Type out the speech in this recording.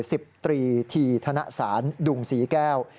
สิบตรีธีธนสารดุงศรีแก้ว